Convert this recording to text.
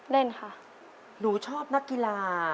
เล่นค่ะ